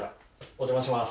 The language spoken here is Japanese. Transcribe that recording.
お邪魔します。